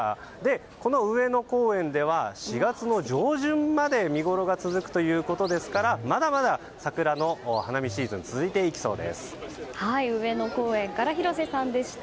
この上野公園では４月の上旬まで見ごろが続くということですからまだまだ、桜の花見シーズン上野公園から広瀬さんでした。